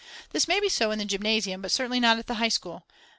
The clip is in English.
This may be so in the Gymnasium, but certainly not at the High School.